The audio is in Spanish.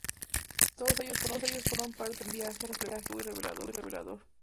Todos ellos forman parte de un viaje reflexivo y revelador.